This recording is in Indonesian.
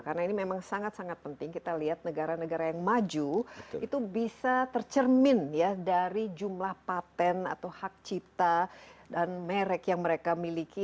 karena ini memang sangat sangat penting kita lihat negara negara yang maju itu bisa tercermin ya dari jumlah patent atau hak cipta dan merek yang mereka miliki